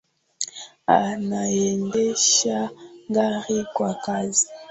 Anaendesha gari kwa kasi.